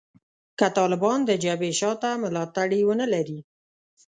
که طالبان د جبهې شا ته ملاتړي ونه لري